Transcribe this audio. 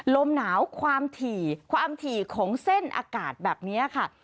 ลมหนาวความถี่ความถี่ของเส้นอากาศแบบนี้ค่ะ